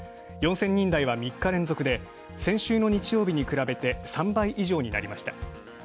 ４０００人台は３日連続で、先週の日曜日に比べて３倍以上になりました。